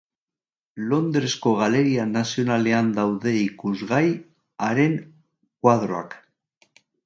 Londresko Galeria Nazionalean daude ikusgai haren koadroak.